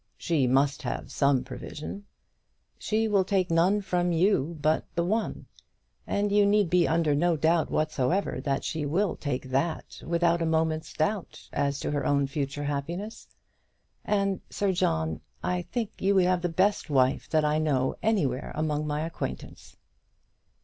"She must have some provision." "She will take none from you but the one, and you need be under no doubt whatsoever that she will take that without a moment's doubt as to her own future happiness. And, Sir John, I think you would have the best wife that I know anywhere among my acquaintance."